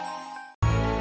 terima kasih pak